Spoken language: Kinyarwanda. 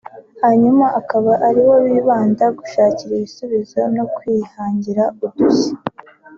hanyuma akaba ariho bibanda gushakira ibisubizo no kwihangira udushya